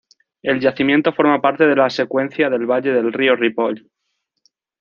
El yacimiento forma parte de la secuencia del valle del río Ripoll.